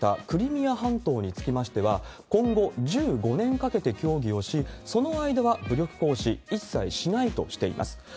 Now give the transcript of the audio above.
クリミア半島につきましては、今後１５年かけて協議をし、その間は武力行使、一切しないとしています。